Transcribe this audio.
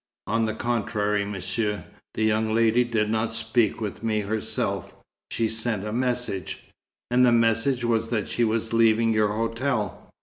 "On the contrary, Monsieur. The young lady did not speak with me herself. She sent a message." "And the message was that she was leaving your hotel?"